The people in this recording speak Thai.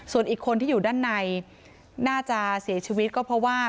ส่วนอีกคนที่อยู่ด้านในน่าจะเสียชีวิตก็เพราะว่า